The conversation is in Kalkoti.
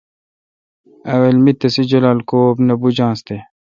اول می تسے جولال کو بوجانس تے ۔